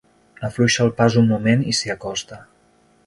Afluixa el pas un moment i s'hi acosta.